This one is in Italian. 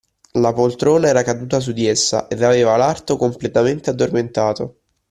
La poltrona era caduta su di essa, ed aveva l’arto completamente addormentato.